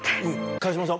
茅島さん